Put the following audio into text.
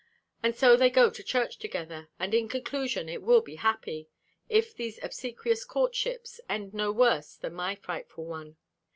And so they go to church together; and, in conclusion, it will be happy, if these obsequious courtships end no worse than my frightful one.